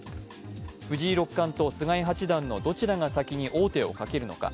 藤井六冠と菅井八段のどちらが先に王手をかけるのか。